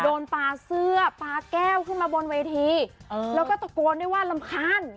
ปลาเสื้อปลาแก้วขึ้นมาบนเวทีแล้วก็ตะโกนด้วยว่ารำคาญ